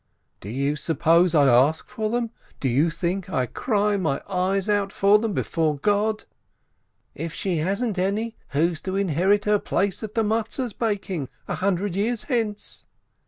"Do you suppose I ask for them? Do you think I cry my eyes out for them before God?" "If she hasn't any, who's to inherit her place at the Matzes baking — a hundred years hence?"